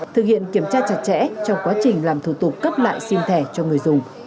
thực hiện kiểm tra chặt chẽ trong quá trình làm thủ tục cấp lại sim thẻ cho người dùng